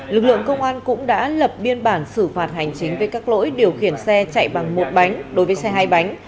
lực lượng công an cũng đã lập biên bản xử phạt hành chính về các lỗi điều khiển xe chạy bằng một bánh đối với xe hai bánh